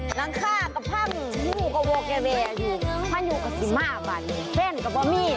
หลังคากับพังฮูกับโวเกเวอยู่พังอยู่กับสิม่าวันนี้เฟ่นกับบอมมี่